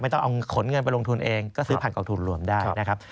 ต้องเอาขนเงินไปลงทุนเองก็ซื้อผ่านกองทุนรวมได้นะครับ